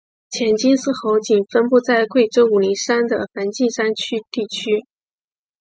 黔金丝猴仅分布在贵州武陵山的梵净山地区。